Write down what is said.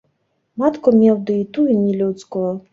Матку меў ды і тую не людскую.